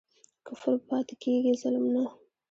کفر پاتی کیږي ظلم نه